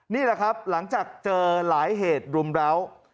นี่แหละครับหลังจากเจอหลายเหตุรุมร้าว